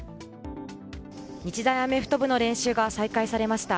日大アメフト部の練習が再開されました。